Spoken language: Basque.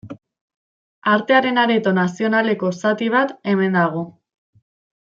Artearen Areto Nazionaleko zati bat hemen dago.